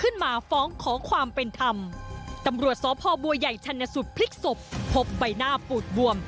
ในสุดพลิกศพพบใบหน้าปูดบวม